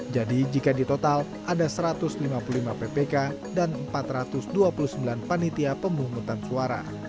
jadi jika di total ada satu ratus lima puluh lima ppk dan empat ratus dua puluh sembilan panitia pemungutan suara